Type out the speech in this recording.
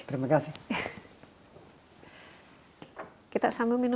demikian insight with desi anwar kali ini